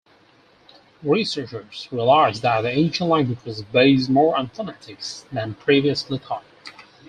Researchers realized that the ancient language was based more on phonetics than previously thought.